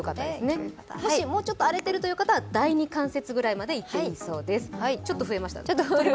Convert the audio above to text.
もし、もうちょっと荒れているという方は第二関節くらいまでのせるといいそうです。